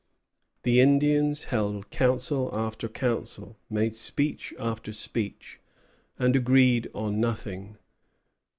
The Indians held council after council, made speech after speech, and agreed on nothing.